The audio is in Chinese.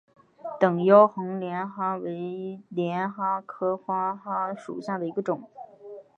等腰横帘蛤为帘蛤科花蛤属下的一个种。